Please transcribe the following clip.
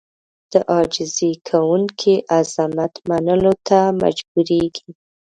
د عاجزي کوونکي عظمت منلو ته مجبورېږي.